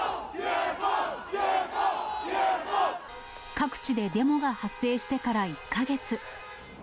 各地でデモが発生してから１か月。